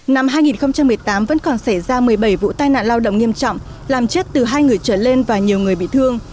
năm hai nghìn một mươi tám vẫn còn xảy ra một mươi bảy vụ tai nạn lao động nghiêm trọng làm chết từ hai người trở lên và nhiều người bị thương